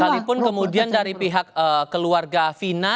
sekalipun kemudian dari pihak keluarga fina